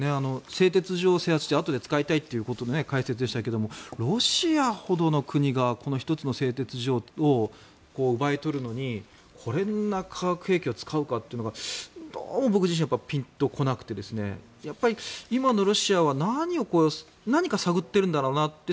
製鉄所を制圧してあとで使いたいという解説でしたけどロシアほどの国が１つの製鉄所を奪い取るのにこんな化学兵器を使うかというのがどうも僕自身はピンと来なくてやっぱり今のロシアは何か探ってるんだろうなと。